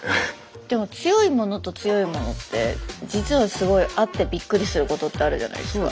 強いモノと強いモノって実はすごい合ってびっくりすることってあるじゃないですか。